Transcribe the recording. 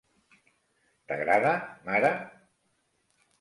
T'agrada, mare?